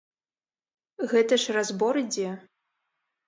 Гэта ж разбор ідзе.